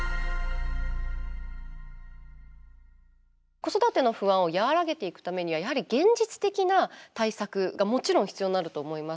子育ての不安を和らげていくためにはやはり現実的な対策がもちろん必要になると思います。